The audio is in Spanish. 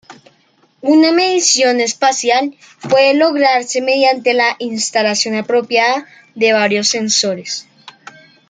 Una medición espacial puede lograrse mediante la instalación apropiada de varios sensores.